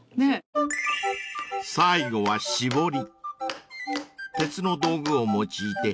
［最後は「絞り」］